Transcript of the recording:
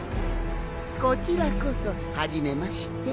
こちらこそ初めまして。